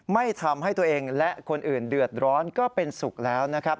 ไม่ทำให้ตัวเองและคนอื่นเดือดร้อนก็เป็นสุขแล้วนะครับ